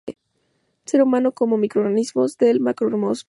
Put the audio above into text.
El ser humano como microcosmos del macrocosmos.